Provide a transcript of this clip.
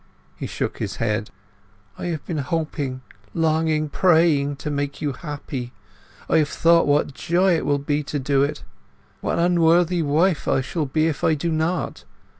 He shook his head. "I have been hoping, longing, praying, to make you happy! I have thought what joy it will be to do it, what an unworthy wife I shall be if I do not!